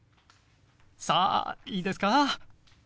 さあいいですか？